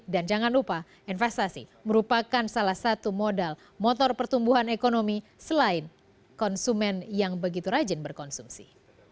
dan jangan lupa investasi merupakan salah satu modal motor pertumbuhan ekonomi selain konsumen yang begitu rajin berkonsumsi